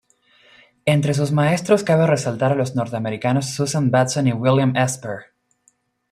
Entre sus maestros cabe resaltar a los norteamericanos Susan Batson y William Esper.